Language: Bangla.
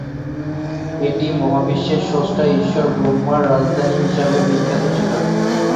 এটি মহাবিশ্বের স্রষ্টা ঈশ্বর ব্রহ্মার রাজধানী হিসাবে বিখ্যাত ছিল।